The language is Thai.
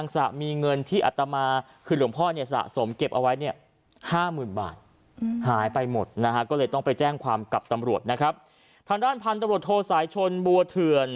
กับตำรวจนะครับทางด้านพันธ์ตำรวจโทรสายชนบัวเถื่อน